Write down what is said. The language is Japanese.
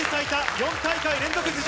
４大会連続出場